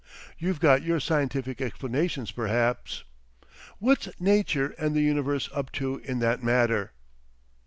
You've got your scientific explanations perhaps; what's Nature and the universe up to in that matter?"